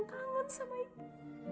kangen sama ibu